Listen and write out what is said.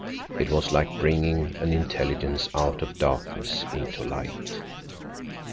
It was like bringing an intelligence out of darkness into light.